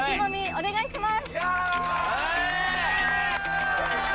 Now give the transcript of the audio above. お願いします